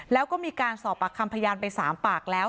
แล้วก็มีการสอบปากคำพยานไป๓ปากแล้ว